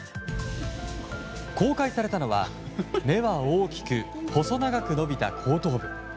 公開されたのは、目は大きく細長く伸びた後頭部。